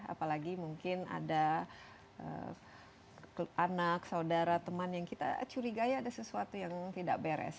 apalagi mungkin ada anak saudara teman yang kita curigai ada sesuatu yang tidak beres